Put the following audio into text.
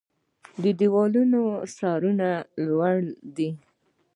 د دیوالونو سرونه لوړ دی